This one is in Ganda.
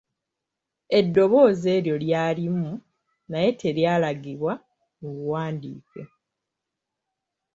Eddoboozi eryo lyalimu naye teryalagibwa mu buwandiike.